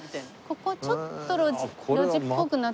ここちょっと路地っぽくなってるというか。